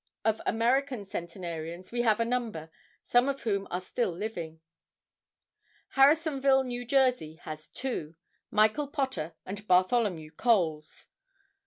Of American centenarians we have a number, some of whom are still living. Harrisonville, New Jersey, has two, Michael Potter and Bartholomew Coles.